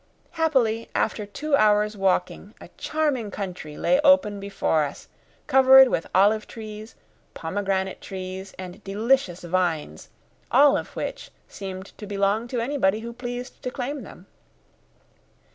Happily, after two hours' walking, a charming country lay open before us, covered with olive trees, pomegranate trees, and delicious vines, all of which seemed to belong to anybody who pleased to claim them.